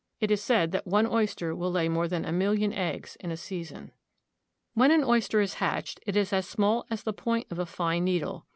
It is said that one oyster will lay more than a million eggs in a season. When an oyster is hatched it is as small as the point of a fine needle.